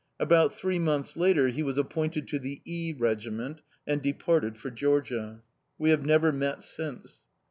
About three months later he was appointed to the E Regiment, and departed for Georgia. We have never met since.